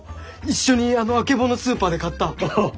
一緒にあの曙スーパーで買った。